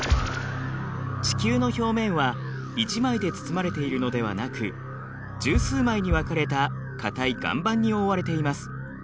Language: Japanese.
地球の表面は１枚で包まれているのではなく十数枚に分かれた固い岩盤に覆われています。